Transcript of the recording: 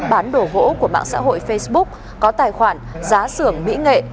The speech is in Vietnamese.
bán đồ gỗ của mạng xã hội facebook có tài khoản giá xưởng mỹ nghệ